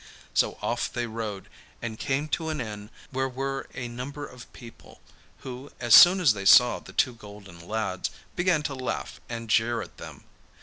So off they rode, and came to an inn where were a number of people who, as soon as they saw the two golden lads, began to laugh and jeer at them.